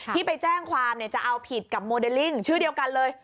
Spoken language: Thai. ที่ไปแจ้งความจะเอาผิดกับโมเดลลิ่งชื่อเดียวกันเลย